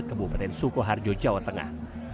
kebupaten sukoharjo jawa tengah